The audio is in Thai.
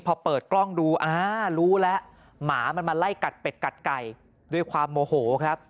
พอเปิดกล้องดูอ่ารู้แล้วหมามันมาไล่กัดเป็ดกัดไก่ด้วยความโมโหครับ